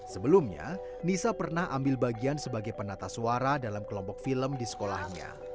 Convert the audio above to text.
sebelumnya nisa pernah ambil bagian sebagai penata suara dalam kelompok film di sekolahnya